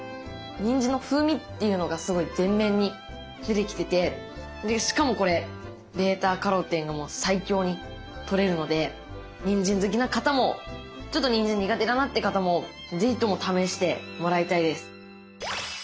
にんじんの風味というのがすごい前面に出てきててしかもこれβカロテンが最強にとれるのでにんじん好きな方もちょっとにんじん苦手だなって方も是非とも試してもらいたいです。